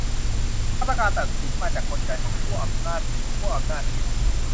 กรรมการตัดสิน มาจากกลไกของขั้วอำนาจหนึ่งขั้วอำนาจเดียว